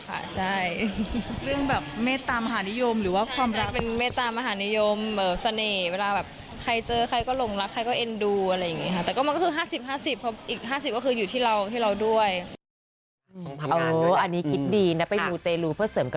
คือเรื่องเมตตามหานิยม